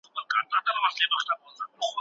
ساتنې لپاره باید اقدام وشي.